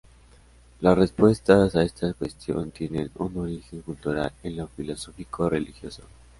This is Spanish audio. Las respuestas a esta cuestión tienen un origen cultural en lo filosófico-religioso.